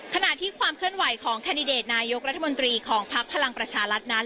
ขณะที่ความเคลื่อนไหวของแคนดิเดตนายกรัฐมนตรีของภักดิ์พลังประชารัฐนั้น